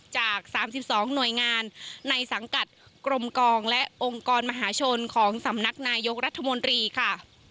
จาก๓๒หน่วยงานในสังกัดกรมกองและองค์กรมหาชนของสำนักนายกรัฐมนตรีค่ะ